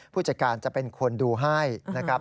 ผู้จัดการจะเป็นคนดูให้นะครับ